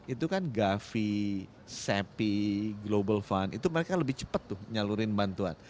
itu kan gavi sapi global fund itu mereka lebih cepat tuh nyalurin bantuan